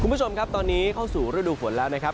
คุณผู้ชมครับตอนนี้เข้าสู่ฤดูฝนแล้วนะครับ